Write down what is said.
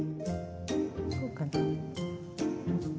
こうかな？